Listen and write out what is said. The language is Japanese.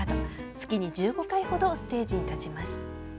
月に１５回ほどステージに立ちます。